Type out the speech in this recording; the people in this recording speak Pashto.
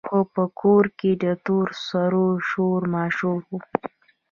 خو په کور کې د تور سرو شور ماشور وو.